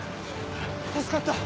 助かった！